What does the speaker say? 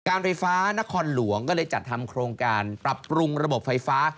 การไฟฟ้านครหลวงก็เลยจัดทำโครงการปรับปรุงระบบไฟฟ้า